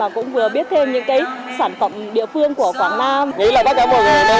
và cũng vừa biết thêm những cái sản phẩm địa phương của quảng nam